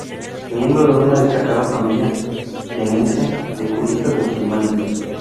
Miembro de una destacada familia jienense de juristas musulmanes.